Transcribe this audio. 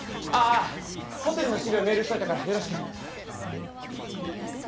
ホテルの資料メールしといたからよろしく。